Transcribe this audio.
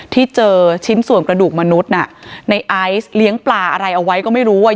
ที่เจอชิ้นส่วนกระดูกมนุษย์น่ะในไอซ์เลี้ยงปลาอะไรเอาไว้ก็ไม่รู้อ่ะ